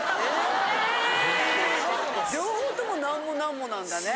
両方ともなんもなんもなんだね。